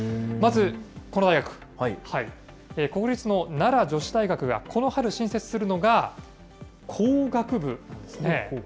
まず、この大学、国立の奈良女子大学がこの春新設するのが、工学部なんですね。